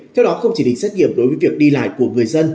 theo đó không chỉ định xét nghiệm đối với việc đi lại của người dân